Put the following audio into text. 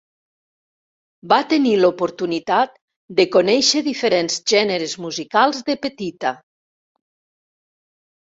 Va tenir l'oportunitat de conèixer diferents gèneres musicals de petita.